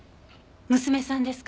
娘さんですか？